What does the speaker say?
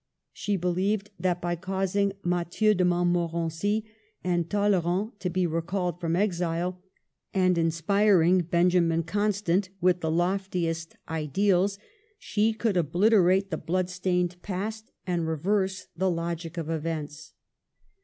She believed that, by causing Mathieu de Montmorency and Talleyrand to be recalled from exile, and inspire ing Benjamin Constant with the loftiest ideals, she could obliterate the blood stained past and reverse the logic of events.